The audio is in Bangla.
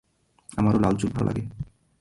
আমারও লালচুল ভালো লাগে।